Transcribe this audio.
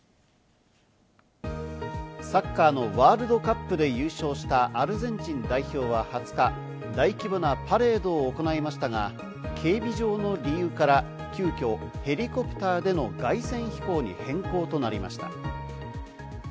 サッカーのワールドカップで優勝したアルゼンチン代表は２０日、大規模なパレードを行いましたが警備上の理由から急きょヘリコプターでの凱旋飛行に変更となりました。